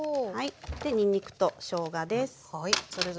でにんにくとしょうがです。